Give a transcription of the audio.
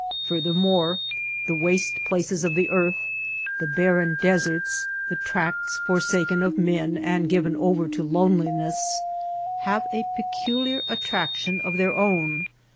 Furthermore, the waste places of the earth, the barren deserts, the tracts for saken of men and given over to loneliness, have a peculiar attraction of their own.